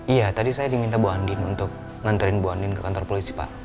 iya tadi saya diminta bu andin untuk nganterin bu andin ke kantor polisi pak